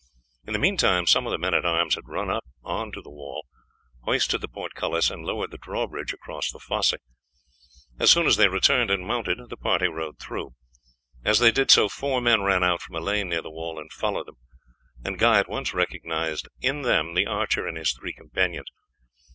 In the meantime some of the men at arms had run up on to the wall, hoisted the portcullis, and lowered the drawbridge across the fosse. As soon as they returned and mounted the party rode through. As they did so, four men ran out from a lane near the wall and followed them; and Guy at once recognized in them the archer and his three companions.